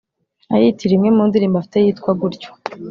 ayitiriye imwe mu ndirimbo afite yitwa gutyo